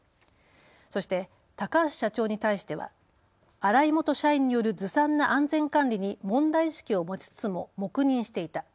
そして高橋社長に対しては荒井元社員によるずさんな安全管理に問題意識を持ちつつも黙認していた。